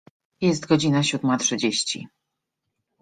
Jest godzina siódma trzydzieści.